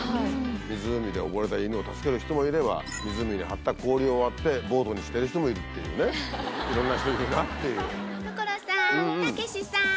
湖で溺れた犬を助ける人もいれば、湖に張った氷を割って、ボートにしてる人もいるっていうね、所さん、たけしさーん。